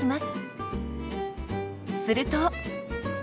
すると。